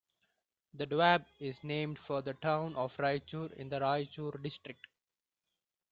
The doab is named for the town of Raichur in the Raichur District.